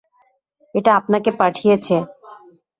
এটা আপনাকে পাঠিয়েছে।